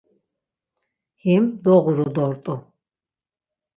Him doğuru dort̆u.